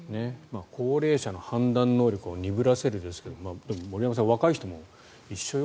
高齢者の判断能力を鈍らせるんですが森山さん、若い人も一緒よ